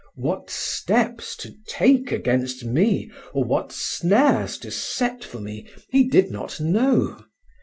What steps to take against me, or what snares to set for me, he did not know.